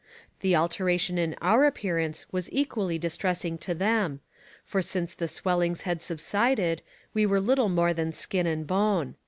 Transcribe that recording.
The alteration in our appearance was equally distressing to them, for since the swellings had subsided we were little more than skin and bone.